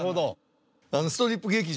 あのストリップ劇場。